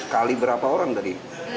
tujuh ratus kali berapa orang tadi